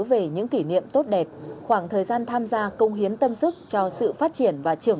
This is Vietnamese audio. về những kỷ niệm tốt đẹp khoảng thời gian tham gia công hiến tâm sức cho sự phát triển và trưởng